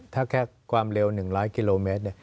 ถ้าแค่ความเร็ว๑๐๐กิโลเมตร